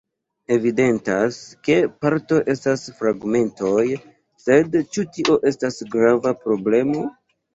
Evidentas, ke parto estas fragmentoj, sed ĉu tio estas grava problemo?